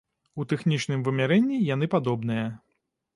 У тэхнічным вымярэнні яны падобныя.